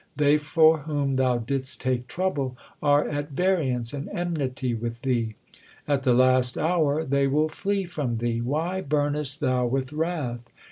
They for whom thou didst take trouble are at variance and enmity with thee. At the last hour they will flee from thee ; why burnest thou with wrath